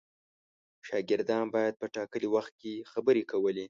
شاګردان باید په ټاکلي وخت کې خبرې کولې.